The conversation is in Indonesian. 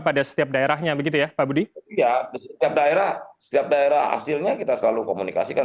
pada setiap daerahnya begitu ya pak budi ya setiap daerah setiap daerah hasilnya kita selalu komunikasikan